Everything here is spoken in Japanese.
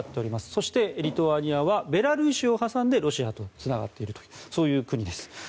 そして、リトアニアはベラルーシを挟んでロシアとつながっているというそういう国です。